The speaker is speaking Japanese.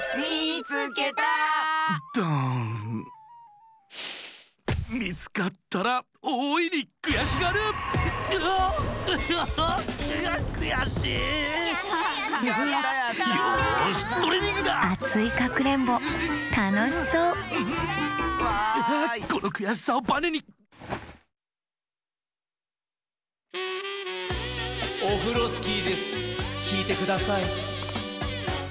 きいてください。